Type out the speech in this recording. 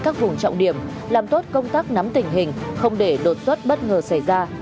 các vùng trọng điểm làm tốt công tác nắm tình hình không để đột xuất bất ngờ xảy ra